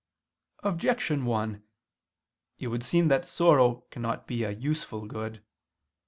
Objection 1: It would seem that sorrow cannot be a useful good.